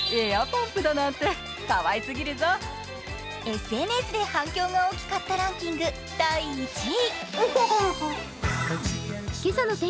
ＳＮＳで反響が大きかったランキング第１位。